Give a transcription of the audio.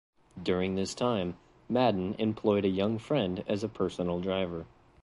During this time, Madden employed a young friend as a personal driver.